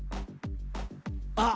あっ！